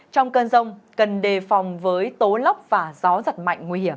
trong cơn rông cần đề phòng với tố lốc và gió giật mạnh nguy hiểm